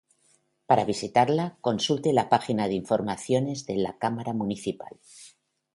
Para visitarla consulte la página de informaciones de la Cámara Municipal.